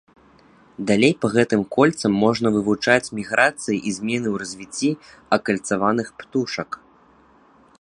Далей па гэтым кольцам можна вывучаць міграцыі і змены ў развіцці акальцаваных птушак.